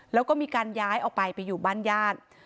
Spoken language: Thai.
แล้วก็มีการย้ายออกไปไปอยู่บ้านญาติ